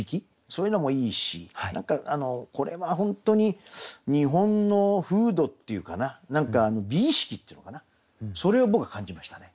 そういうのもいいし何かこれは本当に日本の風土っていうかな何か美意識っていうのかなそれを僕感じましたね。